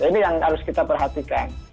ini yang harus kita perhatikan